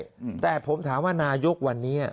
อืมแต่ผมถามว่านายกวันนี้